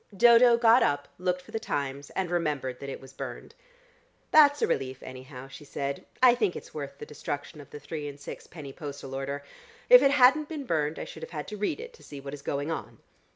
Dodo got up, looked for the Times, and remembered that it was burned. "That's a relief anyhow," she said. "I think it's worth the destruction of the three and six penny postal order. If it hadn't been burned I should have to read it to see what is going on."